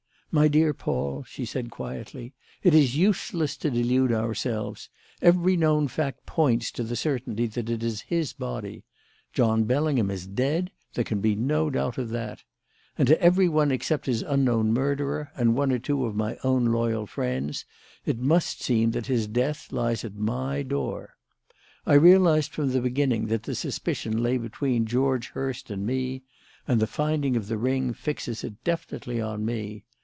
"My dear Paul," she said quietly, "it is useless to delude ourselves. Every known fact points to the certainty that it is his body. John Bellingham is dead: there can be no doubt of that. And to everyone except his unknown murderer and one or two of my own loyal friends, it must seem that his death lies at my door. I realised from the beginning that the suspicion lay between George Hurst and me; and the finding of the ring fixes it definitely on me.